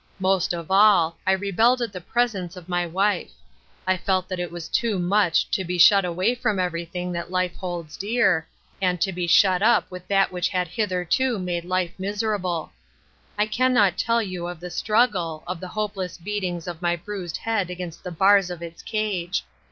Most of all, I rebelled at the presence of my wife. I felt that it was too much to be shut 230 Ruth Erakines Croimea. away from everything that life holds dear, and to be shut up with that which had hitherto made life miserable. I can not tell you of the struggle, of the hopeless beatings of my bruised head against the bars of its cage.